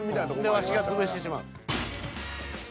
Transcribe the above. でワシが潰してしまう。